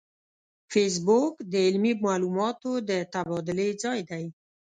فېسبوک د علمي معلوماتو د تبادلې ځای دی